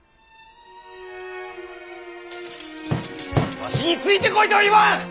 わしについてこいとは言わん！